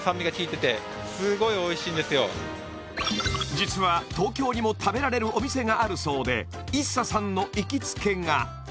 実は東京にも食べられるお店があるそうでＩＳＳＡさんの行きつけが！